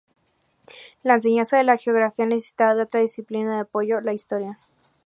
La enseñanza de la geografía necesitaba de otra disciplina de apoyo: la Historia.